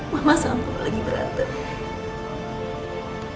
mama sama papa lagi berantem